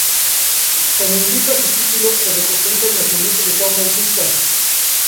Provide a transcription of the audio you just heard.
Como indica su título, se representa el nacimiento de Juan el Bautista.